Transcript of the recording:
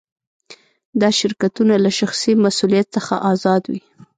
دا شرکتونه له شخصي مسوولیت څخه آزاد وي.